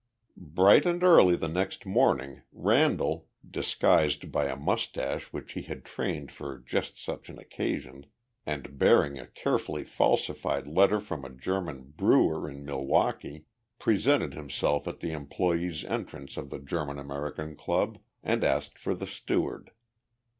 Bright and early the next morning Randall, disguised by a mustache which he had trained for just such an occasion and bearing a carefully falsified letter from a German brewer in Milwaukee, presented himself at the employee's entrance of the German American Club and asked for the steward.